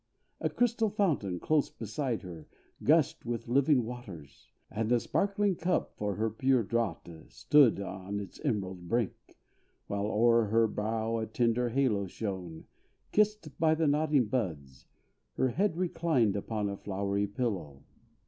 A crystal fountain, close beside her, gushed With living waters; and the sparkling cup For her pure draught, stood on its emerald brink. While o'er her brow a tender halo shone, Kissed by the nodding buds, her head reclined Upon a flowery pillow.